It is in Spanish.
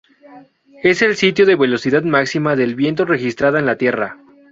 Es el sitio de velocidad máxima del viento registrada en la Tierra.